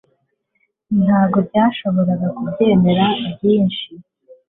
Ntabwo nashoboraga kubyemera byinshi